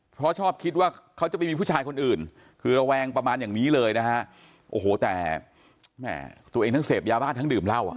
เพราะชอบคิดว่าเขาจะไปมีผู้ชายคนอื่นคือระแวงประมาณอย่างนี้เลยนะฮะโอ้โหแต่แม่ตัวเองทั้งเสพยาบ้าทั้งดื่มเหล้าอ่ะ